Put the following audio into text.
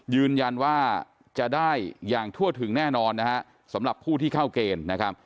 ยืนยันว่าจะได้อย่างทั่วถึงแน่นอนนะฮะสำหรับผู้ที่เข้าเกณฑ์นะครับ